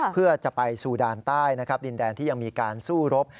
เพื่อจะไปสู่ด่านใต้นะครับดินแดนที่ยังมีการสู้รบ